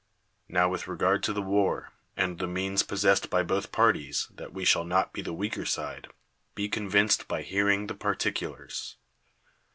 Xow with regard to the war, and the means possessed by both parties, that we shall not be the weaker side, be convinced by hearing the particulars.